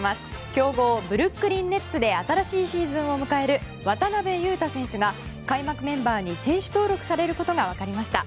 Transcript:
強豪ブルックリン・ネッツで新しいシーズンを迎える渡邊雄太選手が開幕メンバーに選手登録されることが分かりました。